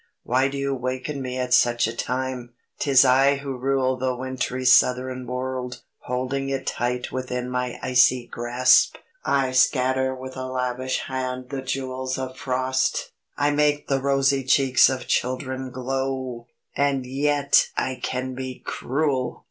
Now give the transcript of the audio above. Why do you waken me at such a time? 'Tis I who rule the wintry southern world, holding it tight within my icy grasp. I scatter with a lavish hand the jewels of frost! I make the rosy cheeks of children glow! And yet I can be cruel!